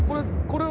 これ。